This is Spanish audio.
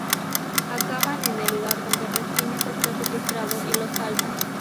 Acaban en el lugar donde Resines está secuestrado y lo salvan.